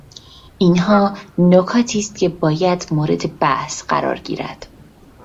اینها نکاتی است که باید مورد بحث قرار گیرد.